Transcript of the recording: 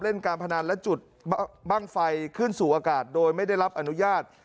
การพนันและจุดบ้างไฟขึ้นสู่อากาศโดยไม่ได้รับอนุญาต